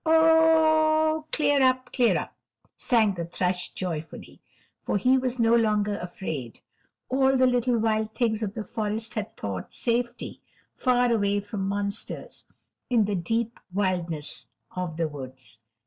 O h, clear up, clear up," sang the thrush joyfully, for he was no longer afraid; all the little wild things of the forest had sought safety, far away from monsters, in the deep wildness of the woods.